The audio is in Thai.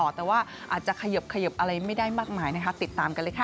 แต่ว่าอาจจะขยบอะไรไม่ได้มากมายนะคะติดตามกันเลยค่ะ